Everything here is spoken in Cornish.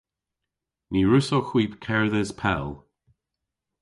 Ny wrussowgh hwi kerdhes pell.